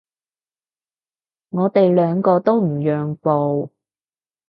我哋兩個都唔讓步